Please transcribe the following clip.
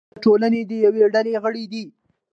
یا د ټولنې د یوې ډلې غړی دی.